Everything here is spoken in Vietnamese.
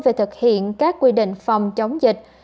về thực hiện các quy định phòng chống dịch